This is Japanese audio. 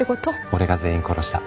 俺が全員殺した。